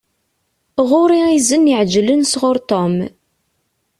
Ɣur-i izen iεeǧlen sɣur Tom.